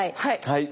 はい。